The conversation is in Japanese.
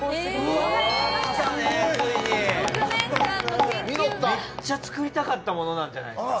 めっちゃ作りたかったものなんじゃないんですか？